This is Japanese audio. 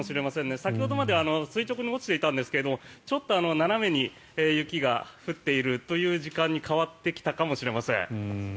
先ほどまでは垂直に落ちていたんですがちょっと斜めに雪が降っているという時間に変わってきたかもしれません。